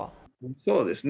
そうですね。